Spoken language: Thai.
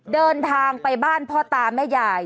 เดินทางไปบ้านพ่อตาแม่ยาย